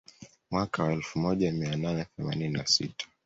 Mwaka wa elfu moja mia nane themanini na sita